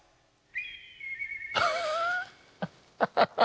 ハッハハハ。